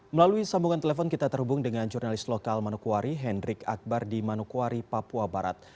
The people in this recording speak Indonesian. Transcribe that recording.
melalui sambungan telepon kita terhubung dengan jurnalis lokal manokwari hendrik akbar di manokwari papua barat